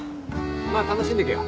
まあ楽しんでけよ。